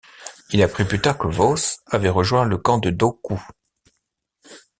Il apprit plus tard que Vos avait rejoint le camp de Dooku.